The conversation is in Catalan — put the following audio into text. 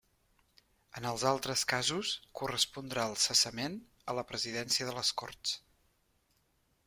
En els altres casos, correspondrà el cessament a la Presidència de les Corts.